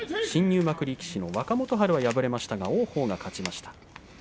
新入幕力士、若元春は敗れましたが王鵬は勝ちました。